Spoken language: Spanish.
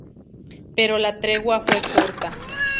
Pero la tregua fue corta.